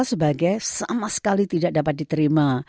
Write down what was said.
sebagai sama sekali tidak dapat diterima